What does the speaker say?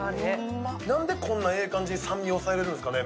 なんでこんなええ感じに酸味を抑えられるんですかね。